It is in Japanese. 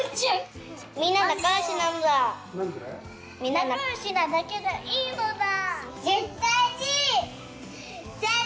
仲よしなだけでいいのだ！